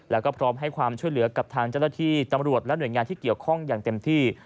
แล้วก็พร้อมให้ความช่วยเหลือกับทางเจ้าหน้าที่ตำรวจและหน่วยงานที่เกี่ยวข้องอย่างเต็มที่